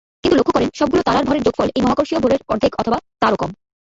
কিন্তু লক্ষ্য করেন, সবগুলো তারার ভরের যোগফল এই মহাকর্ষীয় ভরের অর্ধেক বা তারও কম।